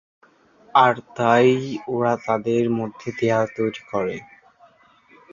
আর তাই, ওরা তাদের মধ্যে দেয়াল তৈরি করে।